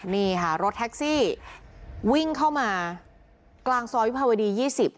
นี่ค่ะรถแท็กซี่วิ่งเข้ามากลางซอยวิภาวดี๒๐